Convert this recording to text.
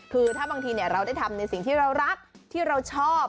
คือถ้าบางทีเราได้ทำในสิ่งที่เรารักที่เราชอบ